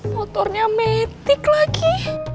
motornya metik lagi